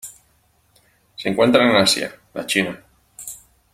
Se encuentran en Asia: la China